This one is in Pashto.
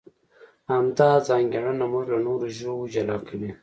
همدا ځانګړنه موږ له نورو ژوو جلا کوي.